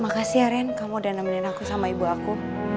makasih ya ren kamu udah nemin aku sama ibu aku